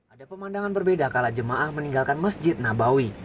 ada pemandangan berbeda kala jemaah meninggalkan masjid nabawi